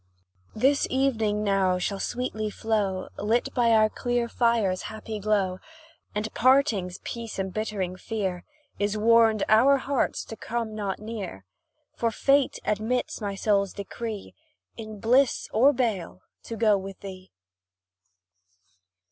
This evening now shall sweetly flow, Lit by our clear fire's happy glow; And parting's peace embittering fear, Is warned our hearts to come not near; For fate admits my soul's decree, In bliss or bale to go with thee!